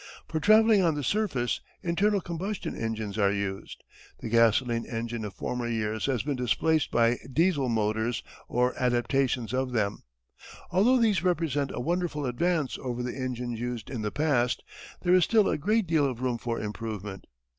For travelling on the surface internal combustion engines are used. The gasoline engine of former years has been displaced by Diesel motors or adaptations of them. Although these represent a wonderful advance over the engines used in the past there is still a great deal of room for improvement.